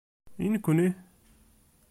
I nekni!